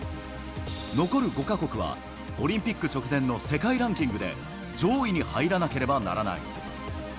残る５か国は、オリンピック直前の世界ランキングで上位に入らなければならない。